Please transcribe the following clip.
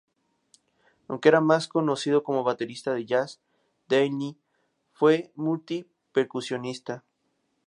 Aunque era más conocido como baterista de Jazz, Delaney fue multi-percusionista.